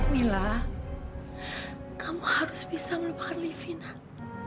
mila kamu harus bisa melupakan livi nat